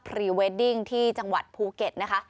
พรีเวดดิ้งที่จังหวัดภูเก็ตนะคะ